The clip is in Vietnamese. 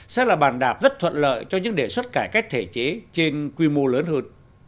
sẽ là bàn đạp rất thuận lợi cho những đề xuất cải cách thể chế trên quy mô lớn hơn